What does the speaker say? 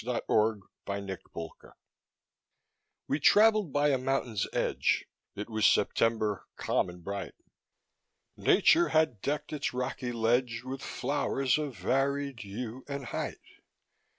NATURE'S LESSON We traveled by a mountain's edge, It was September calm and bright, Nature had decked its rocky ledge With flowers of varied hue and height.